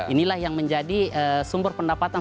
inilah yang menjadi sumber pendapatan